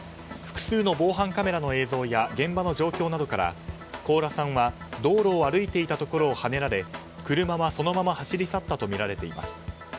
複数の防犯カメラの映像や現場の状況などから高良さんは道路を歩いていたところをはねられ車はそのまま走り去ったとみられています。